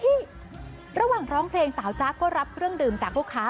ระหว่างร้องเพลงสาวจ๊ะก็รับเครื่องดื่มจากลูกค้า